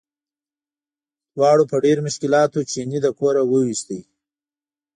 دواړو په ډېرو مشکلاتو چیني له کوره وویست.